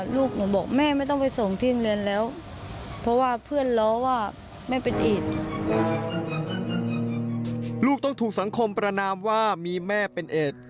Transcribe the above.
ลูกหนูสังคมประนามว่ามีแม่เป็นเอด